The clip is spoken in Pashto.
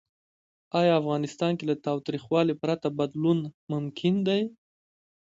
آیا افغانستان کې له تاوتریخوالي پرته بدلون ممکن دی؟